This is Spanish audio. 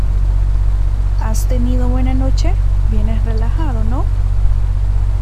¿ has tenido buena noche? vienes relajado, ¿ no?